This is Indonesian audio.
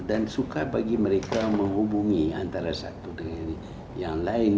suka bagi mereka menghubungi antara satu dengan yang lain